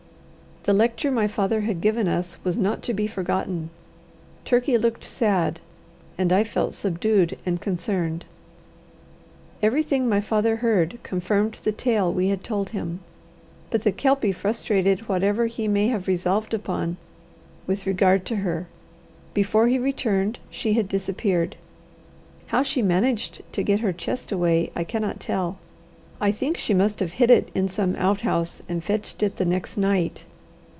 The lecture my father had given us was not to be forgotten. Turkey looked sad, and I felt subdued and concerned. Everything my father heard confirmed the tale we had told him. But the Kelpie frustrated whatever he may have resolved upon with regard to her: before he returned she had disappeared. How she managed to get her chest away, I cannot tell. I think she must have hid it in some outhouse, and fetched it the next night.